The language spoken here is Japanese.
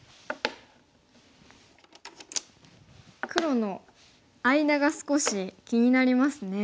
黒の間が少し気になりますね。